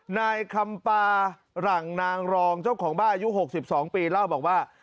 นายคำปาหลั่งนางรองเจ้าของบ้ายุหกสิบสองปีเล่าบอกว่า